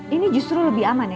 ini justru lebih aman ya